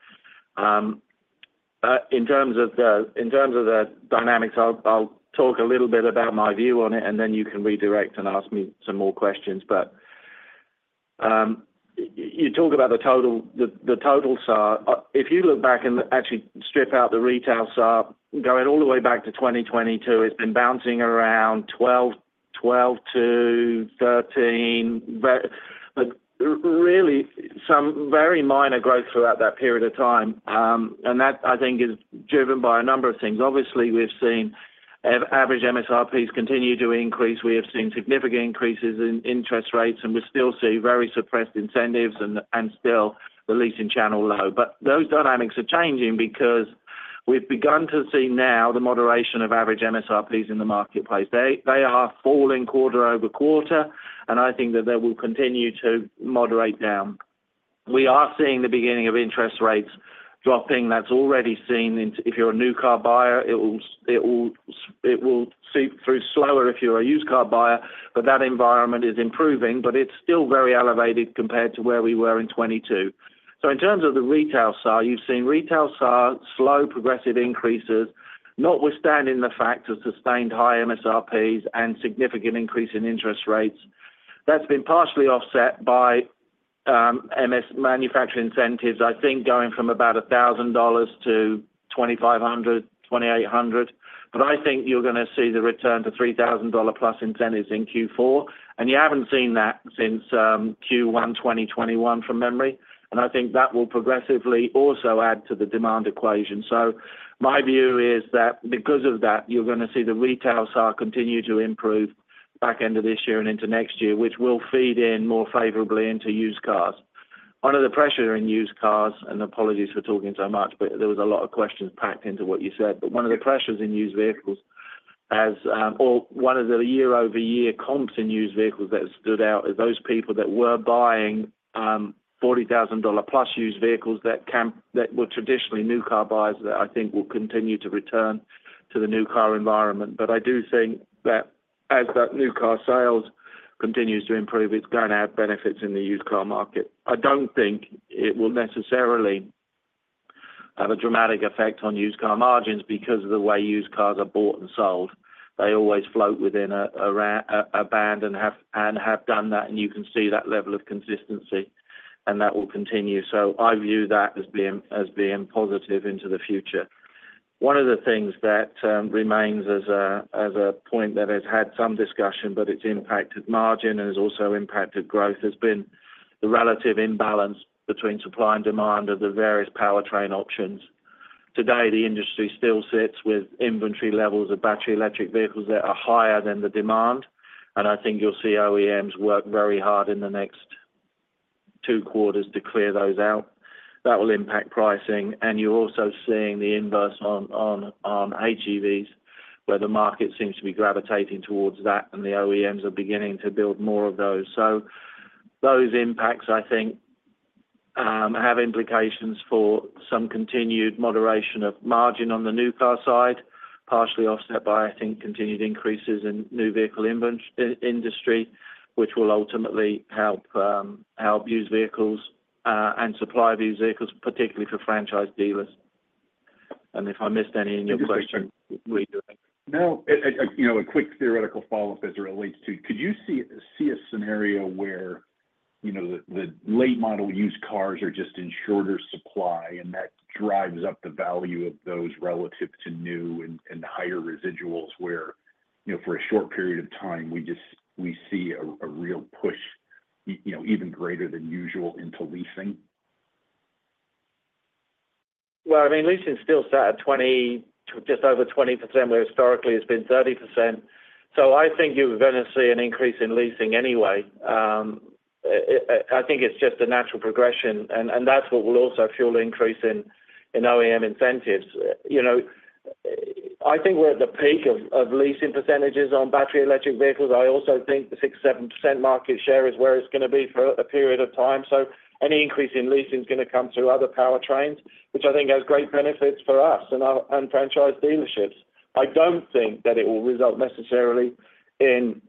In terms of the dynamics, I'll talk a little bit about my view on it, and then you can redirect and ask me some more questions, but you talk about the total SAAR. If you look back and actually strip out the retail SAAR, going all the way back to 2022, it's been bouncing around 12-13, but really some very minor growth throughout that period of time, and that, I think, is driven by a number of things. Obviously, we've seen average MSRPs continue to increase. We have seen significant increases in interest rates, and we still see very suppressed incentives and still the leasing channel low, but those dynamics are changing because we've begun to see now the moderation of average MSRPs in the marketplace. They are falling quarter over quarter, and I think that they will continue to moderate down. We are seeing the beginning of interest rates dropping. That's already seen in. If you're a new car buyer, it will seep through slower if you're a used car buyer, but that environment is improving, but it's still very elevated compared to where we were in 2022. So in terms of the retail SAAR, you've seen retail SAAR slow progressive increases, notwithstanding the fact of sustained high MSRPs and significant increase in interest rates. That's been partially offset by manufacturer incentives, I think, going from about $1,000 to $2,500, $2,800. But I think you're gonna see the return to $3,000 plus incentives in Q4, and you haven't seen that since Q1 2021, from memory, and I think that will progressively also add to the demand equation. So my view is that because of that, you're gonna see the retail SAAR continue to improve back end of this year and into next year, which will feed in more favorably into used cars. One of the pressures in used cars, and apologies for talking so much, but there was a lot of questions packed into what you said. But one of the pressures in used vehicles as or one of the year-over-year comps in used vehicles that stood out is those people that were buying $40,000-plus used vehicles that were traditionally new car buyers, that I think will continue to return to the new car environment. But I do think that as that new car sales continues to improve, it's gonna add benefits in the used car market. I don't think it will necessarily have a dramatic effect on used car margins because of the way used cars are bought and sold. They always float within a range, a band, and have done that, and you can see that level of consistency, and that will continue. So I view that as being positive into the future. One of the things that remains as a point that has had some discussion, but it's impacted margin and has also impacted growth, has been the relative imbalance between supply and demand of the various powertrain options. Today, the industry still sits with inventory levels of battery electric vehicles that are higher than the demand, and I think you'll see OEMs work very hard in the next two quarters to clear those out. That will impact pricing, and you're also seeing the inverse on HEVs, where the market seems to be gravitating towards that, and the OEMs are beginning to build more of those. So those impacts, I think, have implications for some continued moderation of margin on the new car side, partially offset by, I think, continued increases in new vehicle inventory in the industry, which will ultimately help used vehicles and supply of used vehicles, particularly for franchise dealers. And if I missed any in your question? No, you know, a quick theoretical follow-up as it relates to: could you see a scenario where, you know, the late model used cars are just in shorter supply, and that drives up the value of those relative to new and higher residuals, where, you know, for a short period of time, we just... we see a real push, you know, even greater than usual into leasing? I mean, leasing is still set at 20, just over 20%, where historically it's been 30%. So I think you're gonna see an increase in leasing anyway. I think it's just a natural progression, and that's what will also fuel the increase in OEM incentives. You know, I think we're at the peak of leasing percentages on battery electric vehicles. I also think the 6%-7% market share is where it's gonna be for a period of time. So any increase in leasing is gonna come through other powertrains, which I think has great benefits for us and our franchise dealerships. I don't think that it will result necessarily in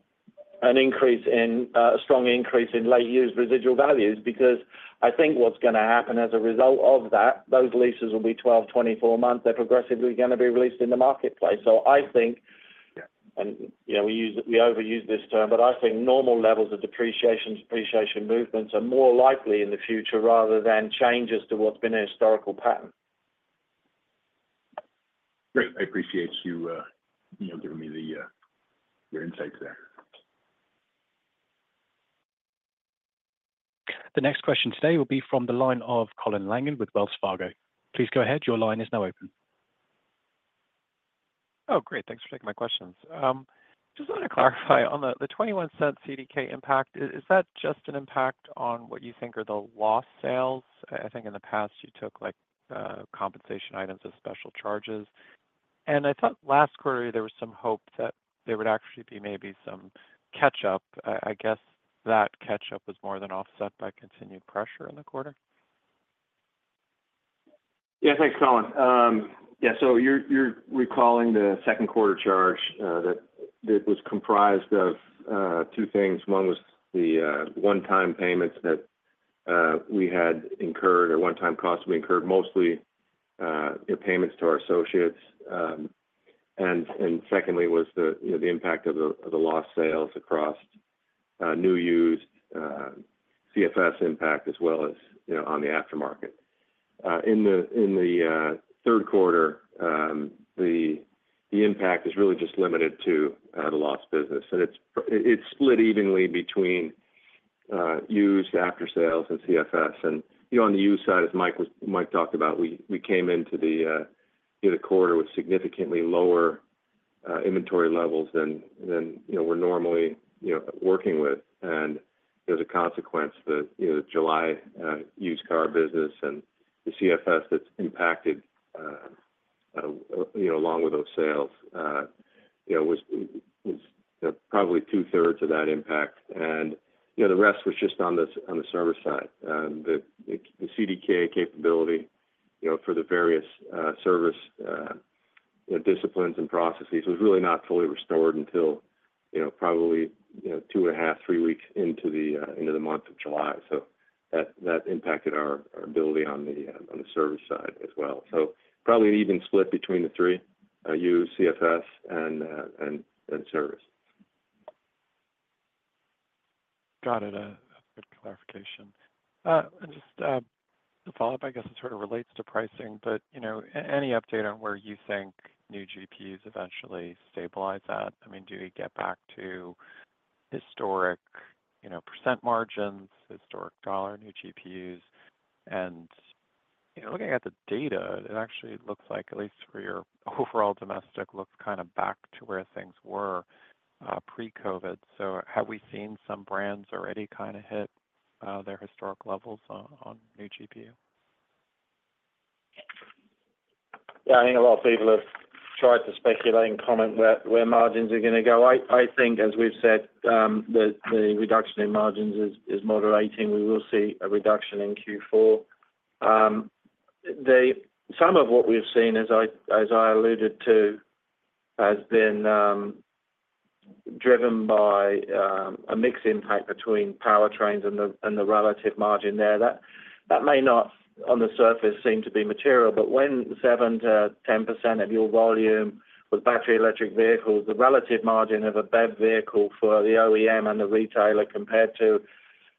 an increase in a strong increase in late-model used residual values, because I think what's gonna happen as a result of that, those leases will be 12 months-24 months. They're progressively gonna be released in the marketplace. So I think- Yeah. And, you know, we overuse this term, but I think normal levels of depreciation, appreciation movements are more likely in the future rather than changes to what's been a historical pattern. Great. I appreciate you, you know, giving me your insights there. The next question today will be from the line of Colin Langan with Wells Fargo. Please go ahead. Your line is now open. Oh, great. Thanks for taking my questions. Just wanted to clarify on the $0.21 CDK impact. Is that just an impact on what you think are the lost sales? I think in the past, you took, like, compensation items as special charges, and I thought last quarter, there was some hope that there would actually be maybe some catch-up. I guess that catch-up was more than offset by continued pressure in the quarter? Yeah, thanks, Colin. Yeah, so you're recalling the second quarter charge that was comprised of two things. One was the one-time payments that we had incurred, or one-time costs we incurred, mostly payments to our associates. And secondly, was the, you know, the impact of the lost sales across new, used, CFS impact, as well as, you know, on the after-sales. In the third quarter, the impact is really just limited to the lost business, and it's split evenly between used, after-sales, and CFS. And, you know, on the used side, as Mike talked about, we came into the quarter with significantly lower inventory levels than, you know, we're normally, you know, working with. And there's a consequence that, you know, the July used car business and the CFS that's impacted, you know, along with those sales, you know, was you know probably two-thirds of that impact. And, you know, the rest was just on the service side. The CDK capability, you know, for the various service you know disciplines and processes, was really not fully restored until, you know, probably, you know, two and a half, three weeks into the month of July. So that impacted our ability on the service side as well. So probably an even split between the three used, CFS, and service. Got it. Good clarification and just a follow-up, I guess. It sort of relates to pricing, but you know, any update on where you think new GPUs eventually stabilize at? I mean, do we get back to historic, you know, percent margins, historic dollar new GPUs? And you know, looking at the data, it actually looks like at least for your overall domestic, looks kind of back to where things were pre-COVID. So have we seen some brands already kind of hit their historic levels on new GPU? Yeah, I think a lot of people have tried to speculate and comment where margins are gonna go. I think, as we've said, that the reduction in margins is moderating. We will see a reduction in Q4. Some of what we've seen, as I alluded to, has been driven by a mix impact between powertrains and the relative margin there. That may not, on the surface, seem to be material, but when 7% to 10% of your volume with battery electric vehicles, the relative margin of a BEV vehicle for the OEM and the retailer compared to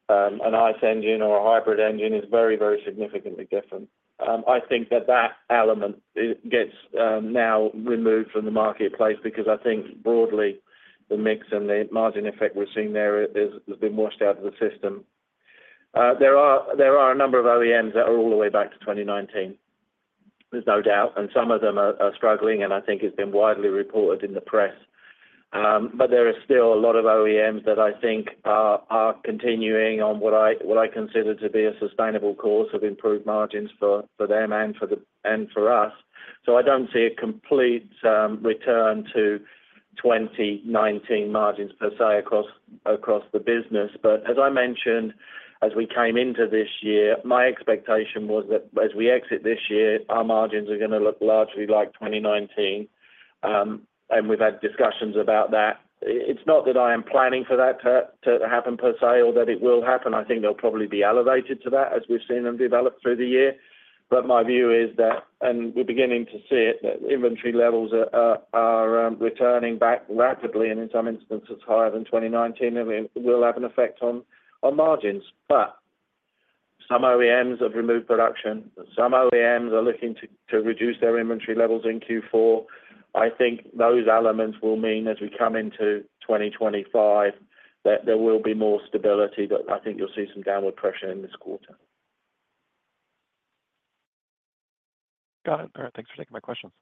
an ICE engine or a hybrid engine is very, very significantly different. I think that element, it gets now removed from the marketplace because I think broadly, the mix and the margin effect we're seeing there has been washed out of the system. There are a number of OEMs that are all the way back to 2019. There's no doubt, and some of them are struggling, and I think it's been widely reported in the press. But there are still a lot of OEMs that I think are continuing on what I consider to be a sustainable course of improved margins for them and for us. So I don't see a complete return to 2019 margins per se, across the business. But as I mentioned, as we came into this year, my expectation was that as we exit this year, our margins are gonna look largely like 2019. And we've had discussions about that. It's not that I am planning for that to happen per se, or that it will happen. I think they'll probably be elevated to that as we've seen them develop through the year. But my view is that, and we're beginning to see it, that inventory levels are returning back rapidly, and in some instances, higher than 2019, and we will have an effect on margins. But some OEMs have removed production, some OEMs are looking to reduce their inventory levels in Q4. I think those elements will mean, as we come into 2025, that there will be more stability, but I think you'll see some downward pressure in this quarter. Got it. All right. Thanks for taking my questions.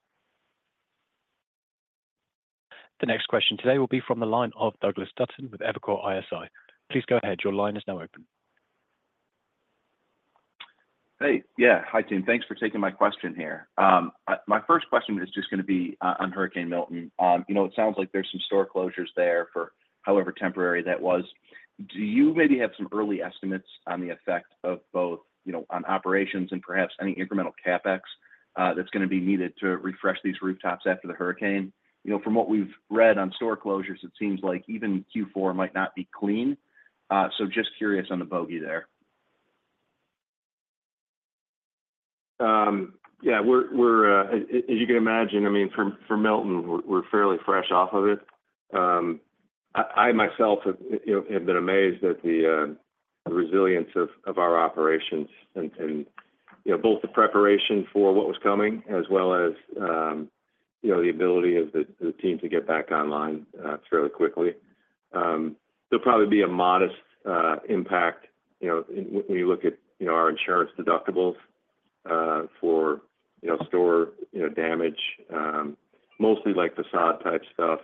The next question today will be from the line of Douglas Dutton with Evercore ISI. Please go ahead. Your line is now open. Hey. Yeah, hi, team. Thanks for taking my question here. My first question is just gonna be on Hurricane Milton. You know, it sounds like there's some store closures there for however temporary that was. Do you maybe have some early estimates on the effect of both, you know, on operations and perhaps any incremental CapEx that's gonna be needed to refresh these rooftops after the hurricane? You know, from what we've read on store closures, it seems like even Q4 might not be clean. So just curious on the bogey there. Yeah, we're as you can imagine, I mean, for Milton, we're fairly fresh off of it. I myself have, you know, been amazed at the resilience of our operations and, you know, both the preparation for what was coming, as well as you know, the ability of the team to get back online fairly quickly. There'll probably be a modest impact, you know, when you look at our insurance deductibles for store damage, mostly like facade type stuff.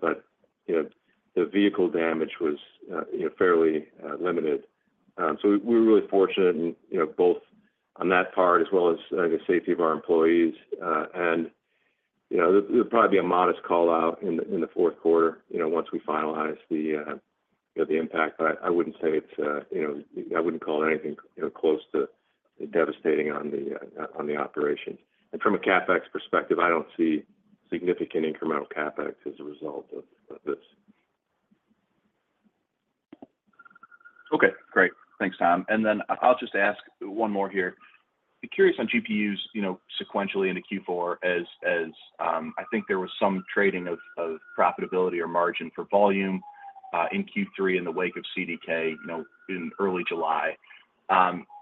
But you know, the vehicle damage was fairly limited. So we were really fortunate in, you know, both on that part as well as the safety of our employees. And you know, there'll probably be a modest call-out in the fourth quarter, you know, once we finalize the impact. But I wouldn't say it's you know I wouldn't call it anything you know close to devastating on the operation. And from a CapEx perspective, I don't see significant incremental CapEx as a result of this. Okay, great. Thanks, Tom. And then I'll just ask one more here. Curious on GPUs, you know, sequentially into Q4. I think there was some trading of profitability or margin for volume in Q3 in the wake of CDK, you know, in early July.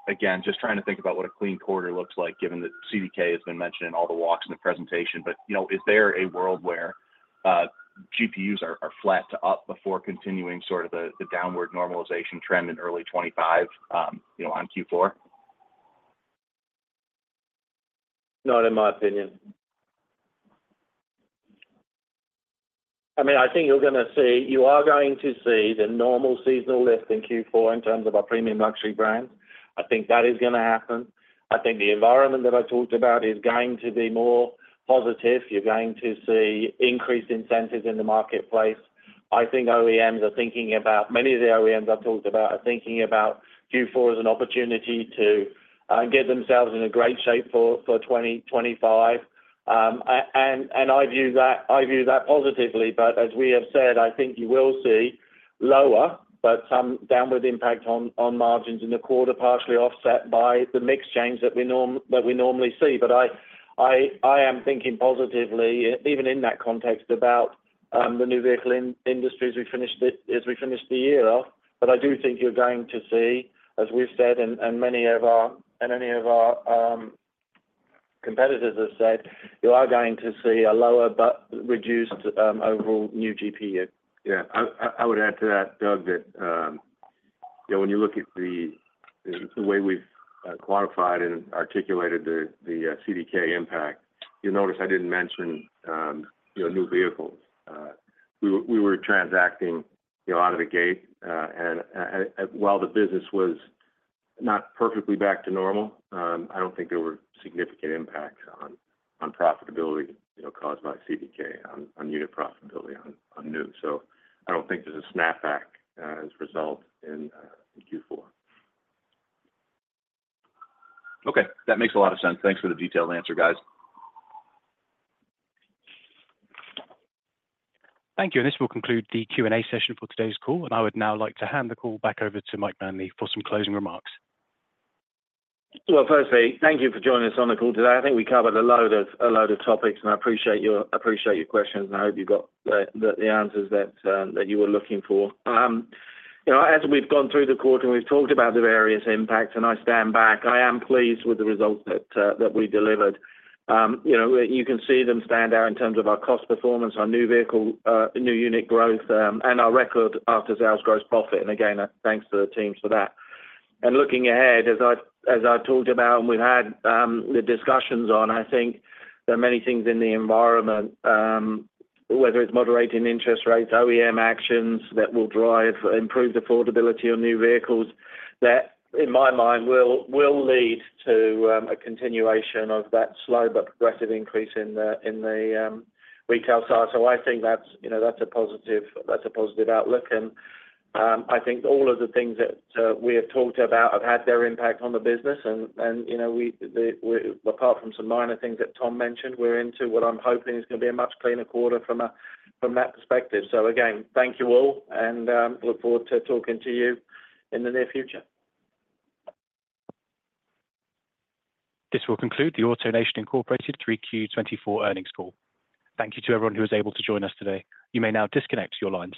Again, just trying to think about what a clean quarter looks like, given that CDK has been mentioned in all the walks in the presentation. But, you know, is there a world where GPUs are flat to up before continuing sort of the downward normalization trend in early 2025, you know, on Q4? Not in my opinion. I mean, I think you're gonna see you are going to see the normal seasonal lift in Q4 in terms of our premium luxury brands. I think that is gonna happen. I think the environment that I talked about is going to be more positive. You're going to see increased incentives in the marketplace. I think OEMs are thinking about many of the OEMs I've talked about are thinking about Q4 as an opportunity to get themselves in a great shape for 2025. And I view that, I view that positively, but as we have said, I think you will see lower, but some downward impact on margins in the quarter, partially offset by the mix change that we normally see. But I am thinking positively, even in that context, about the new vehicle industries as we finish the year off. But I do think you're going to see, as we've said, and many of our competitors have said, you are going to see a lower but reduced overall new GPU. Yeah, I would add to that, Doug, that, you know, when you look at the way we've quantified and articulated the CDK impact, you'll notice I didn't mention, you know, new vehicles. We were transacting, you know, out of the gate, and while the business was not perfectly back to normal, I don't think there were significant impacts on profitability, you know, caused by CDK, on unit profitability, on new. So I don't think there's a snapback as a result in Q4. Okay, that makes a lot of sense. Thanks for the detailed answer, guys. Thank you, and this will conclude the Q&A session for today's call, and I would now like to hand the call back over to Mike Manley for some closing remarks. Firstly, thank you for joining us on the call today. I think we covered a load of topics, and I appreciate your questions, and I hope you got the answers that you were looking for. You know, as we've gone through the quarter, and we've talked about the various impacts, and I stand back, I am pleased with the results that we delivered. You know, you can see them stand out in terms of our cost performance, our new vehicle, new unit growth, and our record after sales gross profit. And again, thanks to the teams for that. And looking ahead, as I've talked about, and we've had the discussions on, I think there are many things in the environment, whether it's moderating interest rates, OEM actions, that will drive improved affordability on new vehicles, that, in my mind, will lead to a continuation of that slow but progressive increase in the retail side. So I think that's, you know, that's a positive outlook. And I think all of the things that we have talked about have had their impact on the business, and, you know, we, apart from some minor things that Tom mentioned, we're into what I'm hoping is gonna be a much cleaner quarter from that perspective. So again, thank you all, and look forward to talking to you in the near future. This will conclude the AutoNation, Inc. 3Q 2024 earnings call. Thank you to everyone who was able to join us today. You may now disconnect your lines.